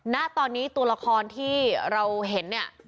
ณตอนนี้ตัวละครที่เราเห็นเนี่ย